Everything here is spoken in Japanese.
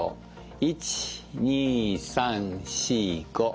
１２３４５。